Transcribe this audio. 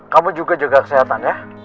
kamu juga jaga kesehatan ya